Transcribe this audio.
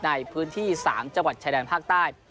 ในพื้นที่๓จังหวัดชายแดนภาคใต้